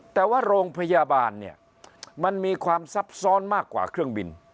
แต่ว่าโรงพยาบาลเนี่ยมันมีความซับซ้อนมากกว่าเครื่องบิน